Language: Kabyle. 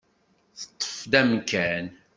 Teṭṭef-d amkan.